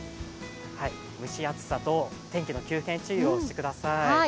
蒸し暑さと天気の急変注意をしてください。